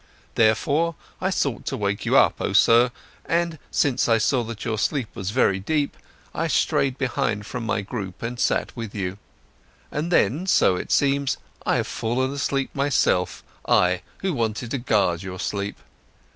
Therefore, I sought to wake you up, oh sir, and since I saw that your sleep was very deep, I stayed behind from my group and sat with you. And then, so it seems, I have fallen asleep myself, I who wanted to guard your sleep.